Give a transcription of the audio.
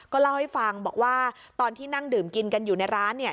เล่าให้ฟังบอกว่าตอนที่นั่งดื่มกินกันอยู่ในร้านเนี่ย